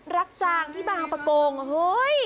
จางที่บางประกงเฮ้ย